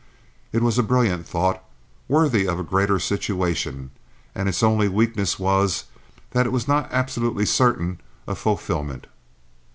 It was a brilliant thought, worthy of a greater situation, and its only weakness was that it was not absolutely certain of fulfillment.